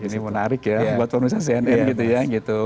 wah ini menarik ya buat penulisan cnn gitu ya